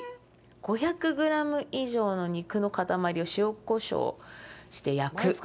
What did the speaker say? ５００グラム以上の肉の塊を塩、こしょうして焼く。